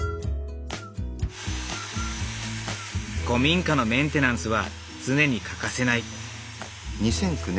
古民家のメンテナンスは常に欠かせない。